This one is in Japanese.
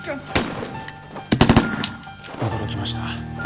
驚きました。